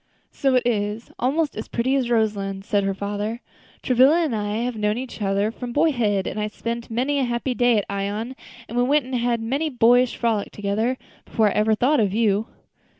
"So it is almost as pretty as Roselands," said her father. "Travilla and I have known each other from boyhood, and I spent many a happy day at Ion, and we had many a boyish frolic together, before I ever thought of you."